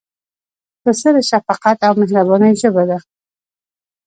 پسه د شفقت او مهربانۍ ژبه ده.